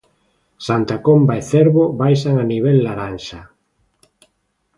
Santa Comba e Cervo baixan a nivel 'laranxa'.